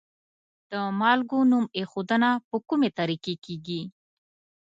د مالګو نوم ایښودنه په کومې طریقې کیږي؟